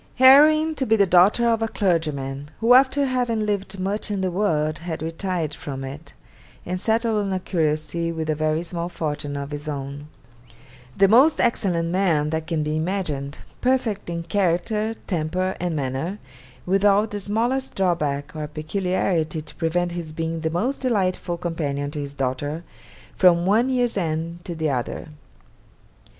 'Heroine to be the daughter of a clergyman, who after having lived much in the world had retired from it, and settled on a curacy with a very small fortune of his own. The most excellent man that can be imagined, perfect in character, temper, and manner, without the smallest drawback or peculiarity to prevent his being the most delightful companion to his daughter from one year's end to the other.